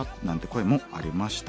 声もありました。